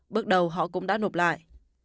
bước đầu họ cũng đã nộp lại